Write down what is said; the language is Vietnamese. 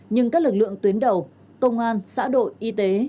nhưng các lực lượng tuyến đầu công an xã đội y tế